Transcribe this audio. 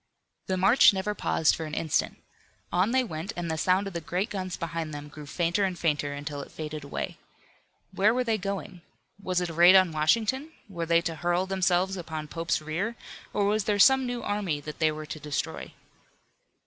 The march never paused for an instant. On they went, and the sound of the great guns behind them grew fainter and fainter until it faded away. Where were they going? Was it a raid on Washington? Were they to hurl themselves upon Pope's rear, or was there some new army that they were to destroy?